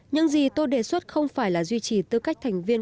những gì tôi đề xuất không phải là duy trì tư cách thành viên